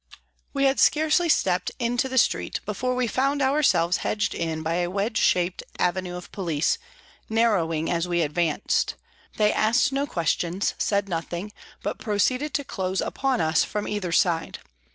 We had scarcely stepped into the street before we found ourselves hedged in by a A shaped avenue of police, narrowing as we advanced. They asked no questions, said nothing, but proceeded to close upon us from either side.